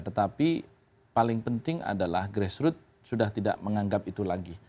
tetapi paling penting adalah grassroots sudah tidak menganggap itu lagi